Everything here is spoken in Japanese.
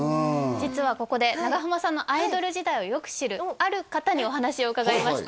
実はここで長濱さんのアイドル時代をよく知るある方にお話を伺いました